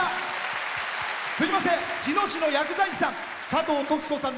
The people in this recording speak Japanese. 続きまして日野市の薬剤師さん。